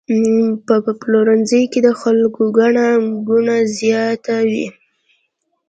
په پلورنځي کې د خلکو ګڼه ګوڼه زیاته وي.